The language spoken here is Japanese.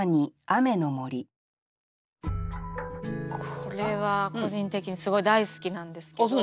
これは個人的にすごい大好きなんですけど。